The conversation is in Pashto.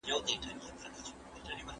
سینټ اګوستین د دې دورې یو مشهور عالم دی.